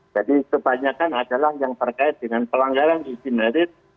jadi kebanyakan adalah yang terkait dengan pelanggaran sistem merit